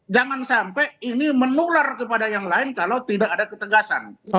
jangan sampai ini menular kepada yang lain kalau tidak ada ketegasan